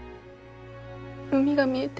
海が見えて。